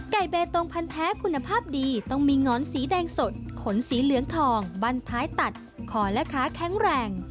เบตงพันธ์แท้คุณภาพดีต้องมีหงอนสีแดงสดขนสีเหลืองทองบันท้ายตัดคอและขาแข็งแรง